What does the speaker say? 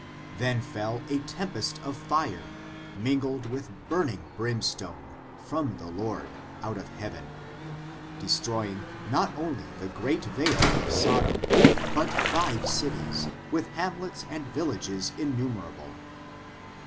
Then fell a tempest of fire, mingled with burning brimstone, from the Lord, out of Heaven, destroying not only the great vale of Sod* om, but five cities, with hamlets and villages innu merable.